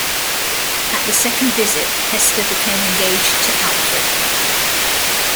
At the second visit Hester became engaged to Alfred.